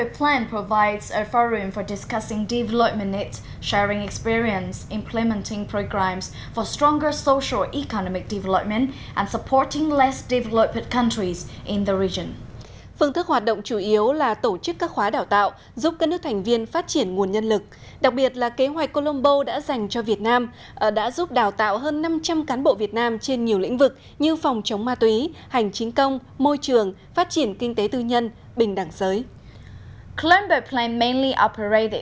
phương thức hoạt động chủ yếu là tổ chức các khóa đào tạo giúp các nước thành viên tham gia các kế hoạch của khu vực châu á thái bình dương hoạt động chính thức từ năm một nghìn chín trăm năm mươi một và hiện gồm hai mươi bảy thành viên như mỹ việt nam singapore